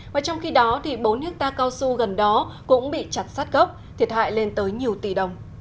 và trong khi đó bốn hectare cao su gần đó cũng bị chặt sát gốc thiệt hại lên tới nhiều tỷ đồng